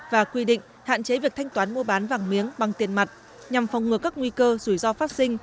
và quy định hạn chế việc thanh toán mua bán vàng miếng bằng tiền mặt nhằm phòng ngừa các nguy cơ rủi ro phát sinh